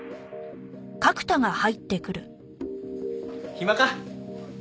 暇か？